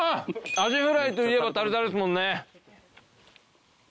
アジフライといえばタルタルですもんね。